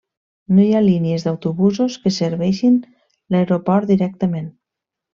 No hi ha línies d'autobusos que serveixin l'aeroport directament.